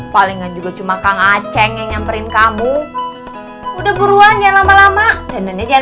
palingan juga cuma kang aceh yang nyamperin kamu udah buruan jangan lama lama dan mainnya jangan